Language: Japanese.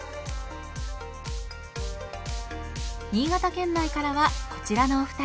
新潟県内からはこちらのお二人。